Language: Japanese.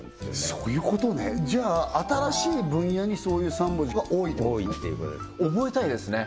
そういうことねじゃあ新しい分野にそういう３文字が多いってこと多いっていうことです覚えたいですね